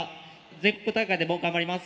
全国大会でも頑張ります。